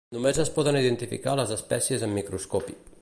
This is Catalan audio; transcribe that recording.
Només es poden identificar les espècies amb microscopi.